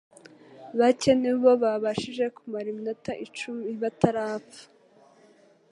bacye nibo babashije kumara iminota icum batarapfa